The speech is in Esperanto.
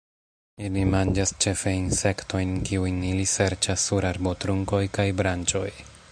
Ili manĝas ĉefe insektojn kiujn ili serĉas sur arbotrunkoj kaj branĉoj.